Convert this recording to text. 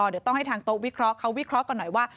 เดี๋ยวต้องให้ทางโต๊ะวิเคราะห์เขาวิเคราะห์กันหน่อยว่า